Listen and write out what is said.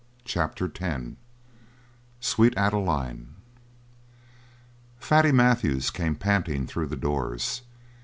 CHAPTER X "SWEET ADELINE" Fatty Matthews came panting through the doors.